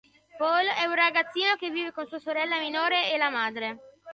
Paul è un ragazzino che vive con sua sorella minore e la madre.